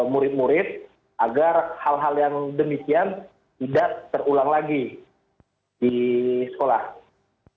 murid murid agar hal hal yang demikian tidak terulang lagi di sekolah